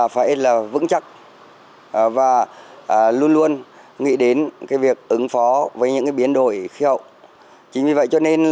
phải có một trăm linh thôn đạt kiểu mẫu